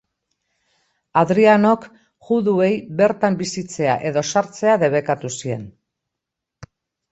Hadrianok juduei bertan bizitzea edo sartzea debekatu zien.